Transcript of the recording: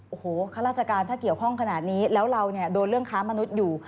โอ้โหข้าราชการถ้าเกี่ยวข้องขนาดนี้แล้วเราเนี่ยโดนเรื่องค้ามนุษย์อยู่